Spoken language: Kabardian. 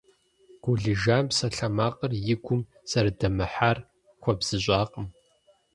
Гулижан псалъэмакъыр и гум зэрыдэмыхьэр хуэбзыщӀакъым.